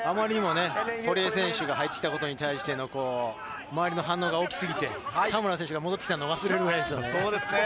堀江選手が入ってきたことに対しての周りの反応が大きすぎて、田村選手が戻ってきたのを忘れるくらいです。